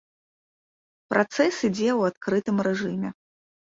Працэс ідзе ў адкрытым рэжыме.